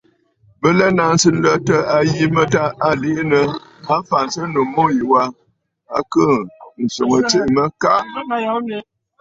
Bɨ lɛ nnaŋsə nlətə a yi mə tâ à liʼinə afǎnsənnǔ mû yì wa, a kɨɨ̀ ǹswoŋə tsiʼì mə “Kaʼa!”.